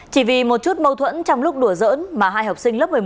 chỉ vì một chút mâu thuẫn trong lúc đùa giỡn mà hai học sinh lớp một mươi một